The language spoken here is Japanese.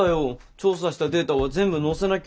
調査したデータは全部載せなきゃ。